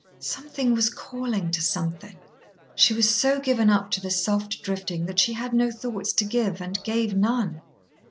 Something was calling to Something. She was so given up to the soft drifting that she had no thoughts to give, and gave none.